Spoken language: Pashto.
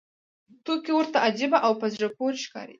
توکي ورته عجیبه او په زړه پورې ښکاري